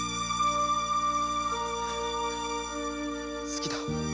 好きだ。